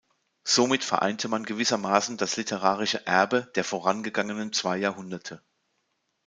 Somit vereinte man gewissermaßen das literarische Erbe der vorangegangenen zwei Jahrhunderte.